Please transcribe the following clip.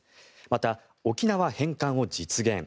また、沖縄返還を実現。